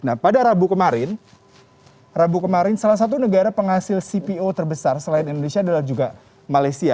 nah pada rabu kemarin salah satu negara penghasil cpo terbesar selain indonesia adalah juga malaysia